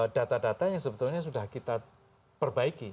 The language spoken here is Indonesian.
data data yang sebetulnya sudah kita perbaiki